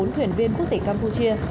bốn thuyền viên quốc tịch campuchia